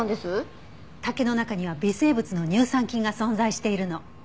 竹の中には微生物の乳酸菌が存在しているの。